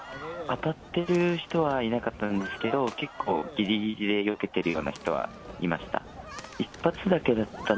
当たってる人はいなかったんですけど、結構ぎりぎりでよけているような人はいました。